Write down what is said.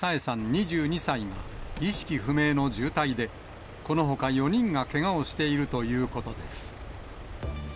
２２歳が意識不明の重体で、このほか４人がけがをしているということです。